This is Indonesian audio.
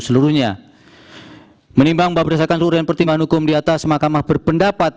seluruhnya menimbang bahwa berdasarkan seluruhan pertimbangan hukum di atas makamah berpendapat